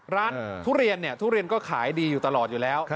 ทุเรียนเนี่ยทุเรียนก็ขายดีอยู่ตลอดอยู่แล้ว